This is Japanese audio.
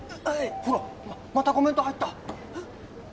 ほらまたコメント入った！